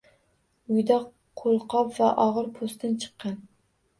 Uyda qo‘lqop va og‘ir po‘stin chiqqan.